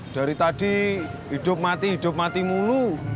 dari tadi hidup mati hidup mati mulu